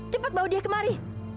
cepat bawa dia kemari